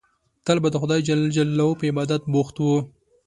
تل به د خدای جل جلاله په عبادت بوخت وو.